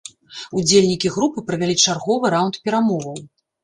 Удзельнікі групы правялі чарговы раўнд перамоваў.